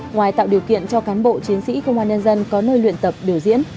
ngoài tạo điều kiện cho cán bộ chiến sĩ công an nhân dân có nơi luyện tập biểu diễn